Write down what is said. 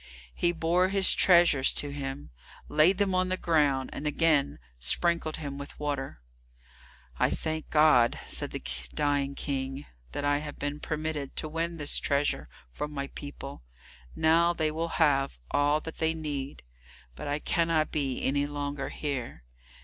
He bore his treasures to him, laid them on the ground, and again sprinkled him with water. "I thank God," said the dying King, "that I have been permitted to win this treasure for my people; now they will have all that they need. But I cannot be any longer here.